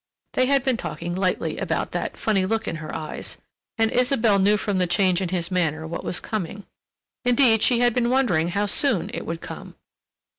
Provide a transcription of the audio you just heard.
They had been talking lightly about "that funny look in her eyes," and Isabelle knew from the change in his manner what was coming—indeed, she had been wondering how soon it would come.